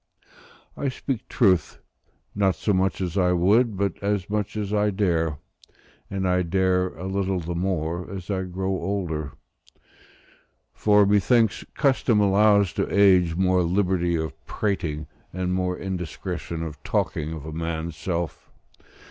I speak truth, not so much as I would, but as much as I dare; and I dare a little the more, as I grow older; for, methinks, custom allows to age more liberty of prating, and more indiscretion of talking of a man's self.